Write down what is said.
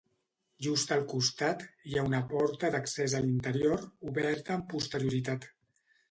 Just al costat hi ha una porta d'accés a l'interior, oberta amb posterioritat.